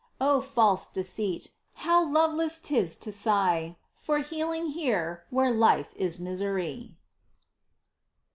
Oh, false deceit ! How loveless 'tis to sigh For healing here Where life is misery